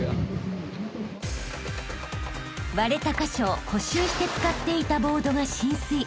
［割れた箇所を補修して使っていたボードが浸水］